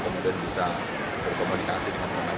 kemudian bisa berkomunikasi